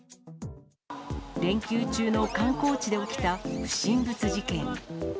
連休中の観光地で起きた不審物事件。